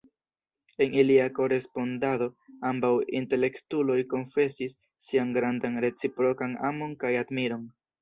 En ilia korespondado, ambaŭ intelektuloj konfesis sian grandan reciprokan amon kaj admiron.